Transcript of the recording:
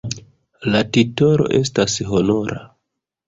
La titolo estas honora.